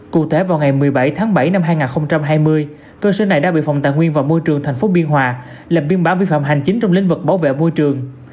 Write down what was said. cụ thể vào ngày một mươi bảy tháng bảy năm hai nghìn hai mươi cơ sở này đã bị phòng tài nguyên và môi trường tp biên hòa lập biên bản vi phạm hành chính trong lĩnh vực bảo vệ môi trường